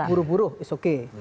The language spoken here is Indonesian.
dari buruh buruh it's okay